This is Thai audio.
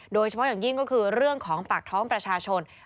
โดยเฉพาะอย่างยิ่งก็คือเรื่องของปากท้องประชาชน